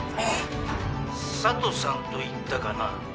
佐都さんと言ったかな？